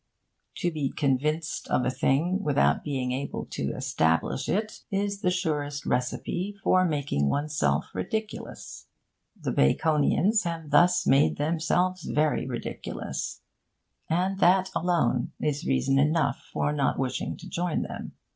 To be convinced of a thing without being able to establish it is the surest recipe for making oneself ridiculous. The Baconians have thus made themselves very ridiculous; and that alone is reason enough for not wishing to join them.